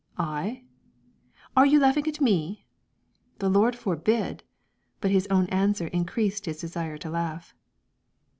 "I?" "Are you laughing at me?" "The Lord forbid!" but his own answer increased his desire to laugh.